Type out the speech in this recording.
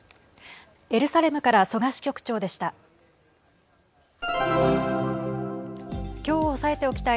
エルサレムから曽我支局長でした。